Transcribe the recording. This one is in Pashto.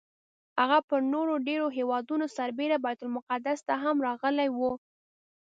هغه پر نورو ډېرو هېوادونو سربېره بیت المقدس ته هم راغلی و.